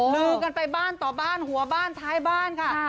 ลือกันไปบ้านต่อบ้านหัวบ้านท้ายบ้านค่ะ